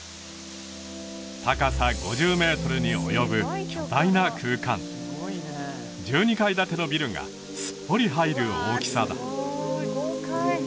高さ５０メートルに及ぶ巨大な空間１２階建てのビルがすっぽり入る大きさだ